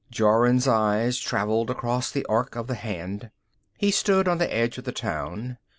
Jorun's eyes traveled along the arc of the hand. He stood on the edge of the town.